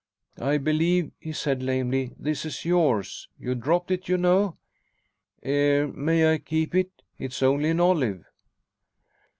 "I believe," he said lamely, "this is yours. You dropped it, you know. Er may I keep it? It's only an olive."